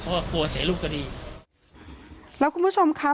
เพราะว่ากลัวเสียรูปก็ดีแล้วคุณผู้ชมคะ